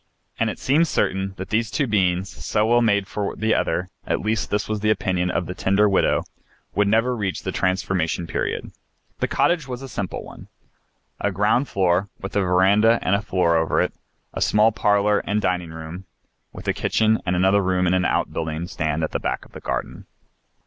and it seemed certain that these two beings, so well made one for the other, at least this was the opinion of the tender widow, would never reach the transformation period. The cottage was a very simple one. A ground floor, with a veranda and a floor over it; a small parlor and small dining room, with a kitchen and another room in an outbuilding stand at the back of the garden.